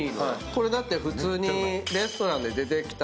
これだって普通に。